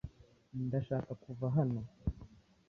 Ndashaka kuva hano.